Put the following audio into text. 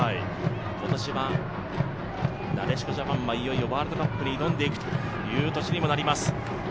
今年はなでしこジャパンはいよいよワールドカップに挑んでいくという年になります。